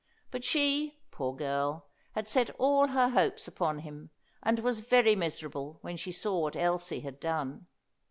But she, poor girl, had set all her hopes upon him, and was very miserable when she saw what Elsie had done.